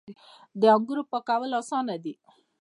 د انګورو پاکول اسانه دي.